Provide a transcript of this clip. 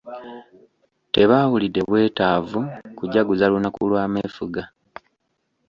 Tebaawulidde bwetaavu kujaguza lunaku lwa meefuga.